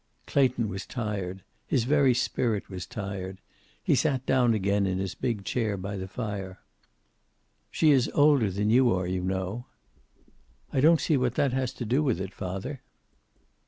Clayton was tired. His very spirit was tired. He sat down in his big chair by the fire. "She is older than you are, you know." "I don't see what that has to do with it, father."